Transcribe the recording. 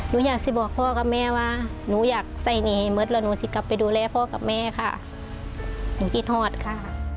หนูอยากจะบอกพ่อกับแม่ว่าหนูอยากใส่หนีเหมือนแล้วหนูสิกลับไปดูแลพ่อกับแม่ค่ะหนูคิดหอดค่ะ